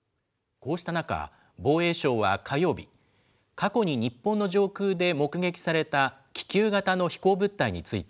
こうした中、防衛省は火曜日、過去に日本の上空で目撃された気球型の飛行物体について、